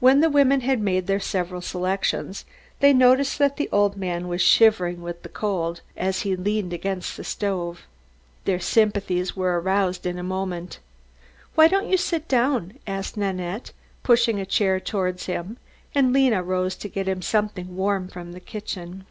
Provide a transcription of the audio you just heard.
When the women had made their several selections they noticed that the old man was shivering with the cold, as he leaned against the stove. Their sympathies were aroused in a moment. "Why don't you sit down?" asked Nanette, pushing a chair towards him, and Lena rose to get him something warm from the kitchen.